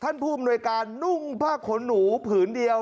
ผู้อำนวยการนุ่งผ้าขนหนูผืนเดียว